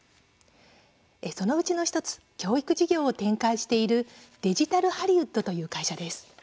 そのうちの１つ、教育事業を展開しているデジタルハリウッドという会社です。